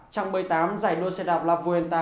trang một mươi tám giải đua xe đạp la fuenta